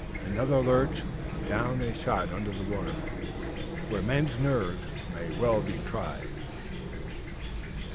Another lurch, and down they shot under the water, where men's nerves may well be tried!